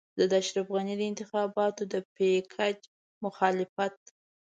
زه د اشرف غني د انتخاباتي پېکج مخالفت.